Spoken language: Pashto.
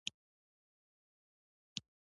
په لویه شمېر عربي ټاپو وزمې ته لېږدول کېدل.